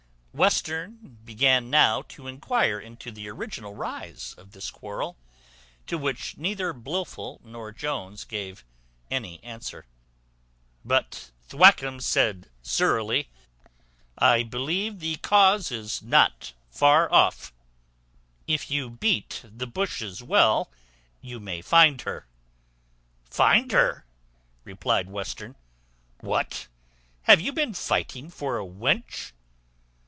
Western began now to inquire into the original rise of this quarrel. To which neither Blifil nor Jones gave any answer; but Thwackum said surlily, "I believe the cause is not far off; if you beat the bushes well you may find her." "Find her?" replied Western: "what! have you been fighting for a wench?"